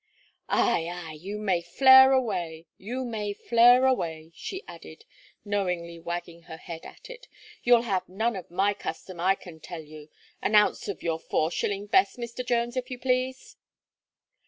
"Ay, ay, you may flare away you may flare away," she added, knowingly wagging her head at it, "you'll have none of my custom, I can tell you. An ounce of your four shilling best, Mr. Jones, if you please?"